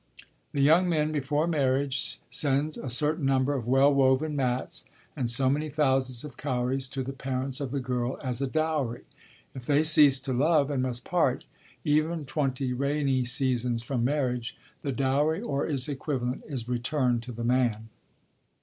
The young man before marriage sends a certain number of well woven mats and so many thousands of cowries to the parents of the girl as a dowry. If they cease to love and must part, even twenty rainy seasons from marriage, the dowry or its equivalent is returned to the man.